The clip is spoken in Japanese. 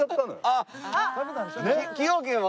崎陽軒は？